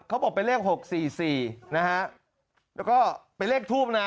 เขาบอกเป็นเลขหกสี่สี่นะฮะแล้วก็เป็นเลขทูบน่ะ